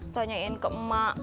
tanyain ke emak